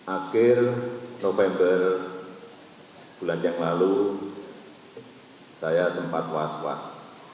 akhir november bulan yang lalu saya sempat was was